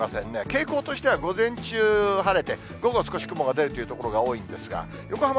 傾向としては午前中、晴れて、午後少し雲が出るという所が多いんですが、横浜